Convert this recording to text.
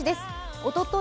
おととい